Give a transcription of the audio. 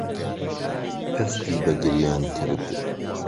دەستی بە گریان کرد.